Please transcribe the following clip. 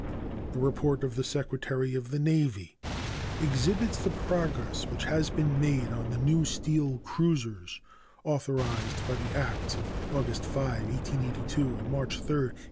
The report of the Secretary of the Navy exhibits the progress which has been made on the new steel cruisers authorized by the acts of August 5, 1882, and March 3, 1883.